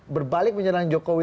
berbalik menyerang jokowi